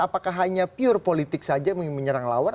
apakah hanya pure politik saja menyerang lawan